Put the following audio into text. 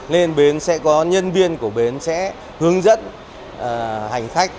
nên bến sẽ có nhân viên của bến sẽ hướng dẫn hành khách